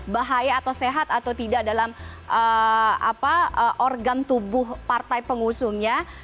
bahaya atau sehat atau tidak dalam organ tubuh partai pengusungnya